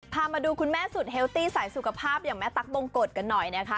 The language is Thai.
พามาดูคุณแม่สุดเฮลตี้สายสุขภาพอย่างแม่ตั๊กบงกฎกันหน่อยนะคะ